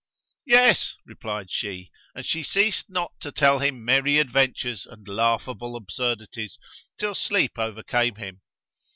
"Yes," replied she, and she ceased not to tell him merry adventures and laughable absurdities, till sleep overcame him.